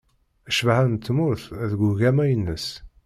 Cbaḥa n tmurt deg ugama-ines